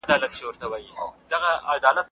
نوي کارونه ستاسو ذهن ویښ ساتي.